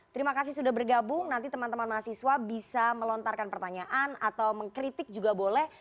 terima kasih sudah bergabung nanti teman teman mahasiswa bisa melontarkan pertanyaan atau mengkritik juga boleh